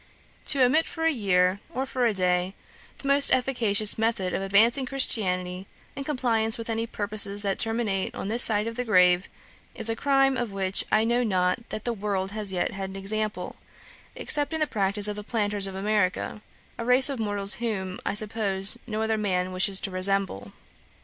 To omit for a year, or for a day, the most efficacious method of advancing Christianity, in compliance with any purposes that terminate on this side of the grave, is a crime of which I know not that the world has yet had an example, except in the practice of the planters of America, a race of mortals whom, I suppose, no other man wishes to resemble.